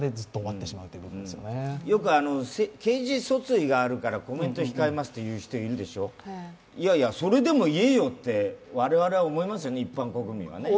よく刑事訴追があるからコメント控えますという人いるでしょ、いやいや、それでも言えよって一般国民は思いますよね。